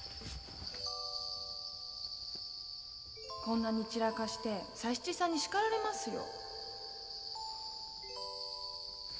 こんなに散らかして佐七さんに叱られますよ。